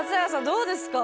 どうですか？